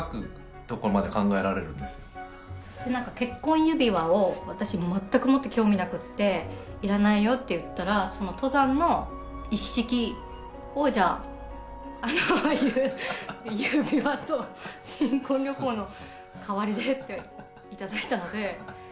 なんか結婚指輪を私全くもって興味なくていらないよって言ったらその登山の一式をじゃあ指輪と新婚旅行の代わりでって頂いたので。